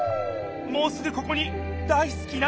もうすぐここに大すきな